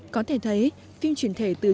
có thể thấy phim truyền thể từ truyện tranh